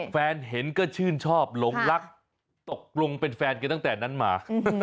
แฟนเห็นก็ชื่นชอบหลงรักตกลงเป็นแฟนกันตั้งแต่นั้นมา